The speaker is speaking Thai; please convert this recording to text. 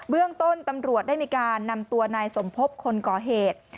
เรื่องต้นตำรวจได้มีการนำตัวนายสมพบคนก่อเหตุ